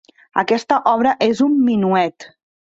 Aquesta obra és un minuet.